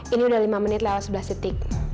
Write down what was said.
ini udah lima menit lewat sebelas detik